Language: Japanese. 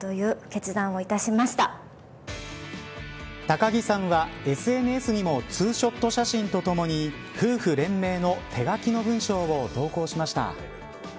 高城さんは、ＳＮＳにもツーショット写真とともに夫婦連名の手書きの文章を投稿しました。